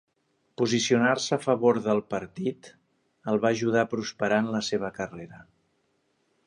"Posicionar-se a favor del partit" el va ajudar a prosperar en la seva carrera.